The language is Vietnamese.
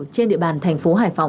trên địa bàn thành phố hải phòng